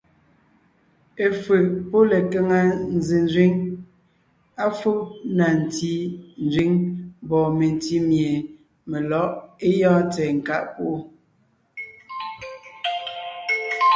Efʉ̀ʼ pɔ́ lekaŋa zẅénzẅíŋ, à fó na ntí nzẅíŋ mbɔɔ mentí mie melɔ̌ʼ é gyɔ́ɔn tsɛ̀ɛ nkáʼ púʼu.